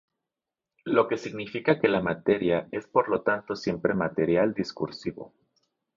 Lo que significa que la materia es por lo tanto siempre material discursivo.